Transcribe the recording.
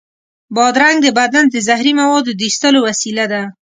بادرنګ د بدن د زهري موادو د ایستلو وسیله ده.